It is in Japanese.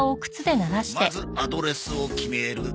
まずアドレスを決める。